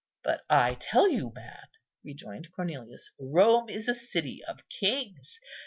"But I tell you, man," rejoined Cornelius, "Rome is a city of kings.